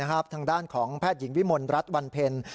ทางด้านของแพทย์หญิงวิมลรัฐวันเพ็ญ